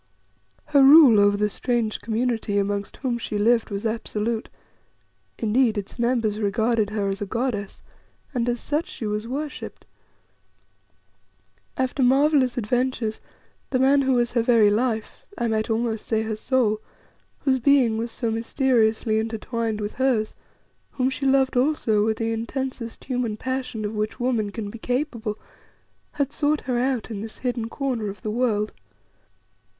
Her rule over the strange community amongst whom she lived was absolute; indeed, its members regarded her as a goddess, and as such she was worshipped. After marvellous adventures, the man who was her very life, I might almost say her soul, whose being was so mysteriously intertwined with hers, whom she loved also with the intensest human passion of which woman can be capable, had sought her out in this hidden corner of the world.